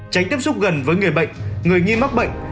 tránh tiếp xúc gần với người bệnh người nghi mắc bệnh